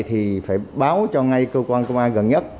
thì phải báo cho ngay cơ quan công an gần nhất